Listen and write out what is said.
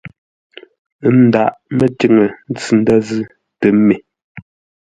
Ə́ ndághʼ mətiŋə ntsʉ ndə̂ zʉ́ tə mê.